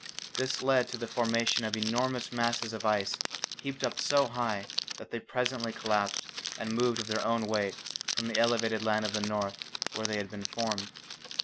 This led to the formation of enormous masses of ice heaped up so high that they presently collapsed and moved of their own weight from the elevated land of the north where they had been formed.